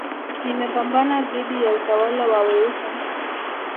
nimepambana dhidi ya utawala wa weusi